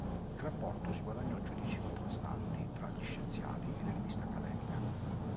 Il rapporto si guadagnò giudizi contrastanti tra gli scienziati e le riviste accademiche.